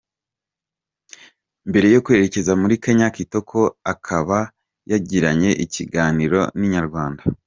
Mbere yo kwerekeza muri Kenya Kitoko akaba yagiranye ikiganiro na Inyarwanda.